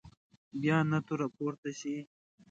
بیا نه توره پورته شي.